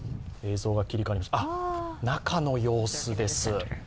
中の様子です。